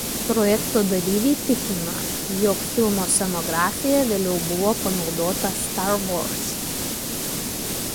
Projekto dalyviai tikina jog filmo scenografija vėliau buvo panaudota Star Wars.